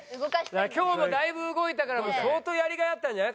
今日もだいぶ動いたから相当やりがいあったんじゃない？